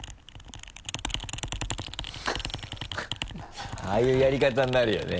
ハハ ああいうやり方になるよね。